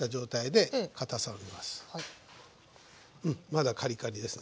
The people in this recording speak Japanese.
うんまだカリカリですね。